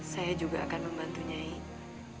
saya juga akan membantunya ibu